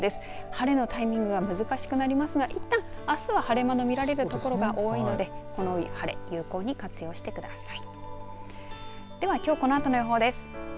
晴れのタイミングが難しくなりますがいったんあすは晴れ間の見られる所も多いのでこの晴れ有効に活用してください。